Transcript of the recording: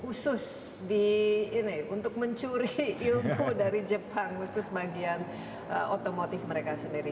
khusus untuk mencuri ilmu dari jepang khusus bagian otomotif mereka sendiri